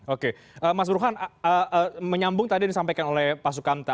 oke mas burhan menyambung tadi yang disampaikan oleh pak sukamta